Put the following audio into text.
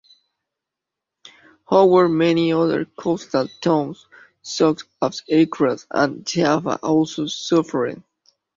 However, many other coastal towns such as Acre and Jaffa also suffered.